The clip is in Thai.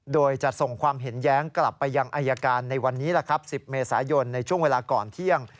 โดยจะส่งความเห็นแย้งกลับไปยังอายการในวันนี้๑๐เมษายนในช่วงเวลาก่อนเที่ยง